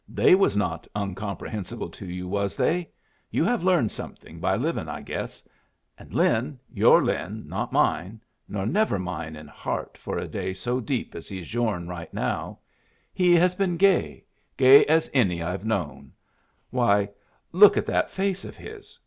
They was not uncomprehensible to you, was they? You have learned something by livin', I guess! And Lin your Lin, not mine, nor never mine in heart for a day so deep as he's yourn right now he has been gay gay as any I've knowed. Why, look at that face of his!